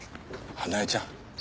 花絵ちゃん？